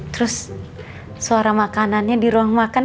terus suara makanannya di ruang makan